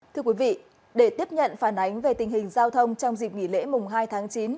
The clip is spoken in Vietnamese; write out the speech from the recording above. thưa quý vị để tiếp nhận phản ánh về tình hình giao thông trong dịp nghỉ lễ mùng hai tháng chín